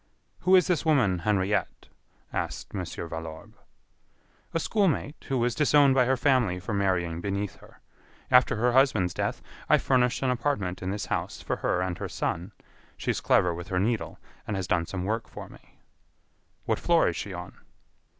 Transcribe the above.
"Who is this woman Henriette?" asked Mon. Valorbe. "A school mate, who was disowned by her family for marrying beneath her. After her husband's death, I furnished an apartment in this house for her and her son. She is clever with her needle and has done some work for me." "What floor is she on?"